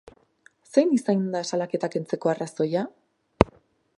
Zein izan da salaketa kentzeko arrazoia?